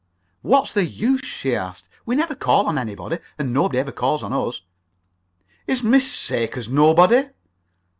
"What's the use?" she asked. "We never call on anybody, and nobody ever calls on us." "Is Miss Sakers nobody?"